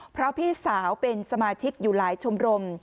เพราะพี่สาวเป็นสมาชิกอยู่หลายชมรม